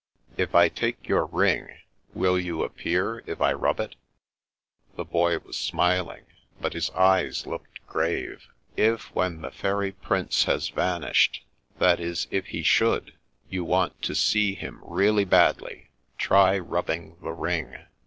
" If I take your ring, will you appear if I rub it ?" The Boy was smiling, but his eyes looked grave. " If when the Fairy Prince has vanished — ^that is, if he should — ^you want to see him really badly, try rubbing the ring.